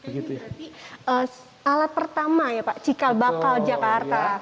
jadi alat pertama ya pak cikal bakal jakarta